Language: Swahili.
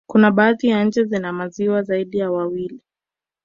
Kuna baadhi nchi zina maziwa zaidi ya mawili